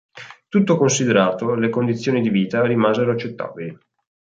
Tutto considerato, le condizioni di vita rimasero accettabili.